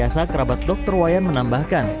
kd ariasa kerabat dokter wayan menambahkan